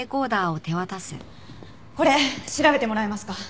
これ調べてもらえますか？